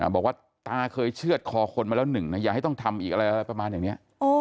บอกว่าตาเคยเชื่อดคอคนมาแล้วหนึ่งนะอย่าให้ต้องทำอีกอะไรประมาณอย่างนี้